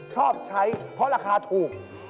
ชอบใช้เพราะราคาถูก